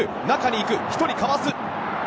中にいく、１人かわす。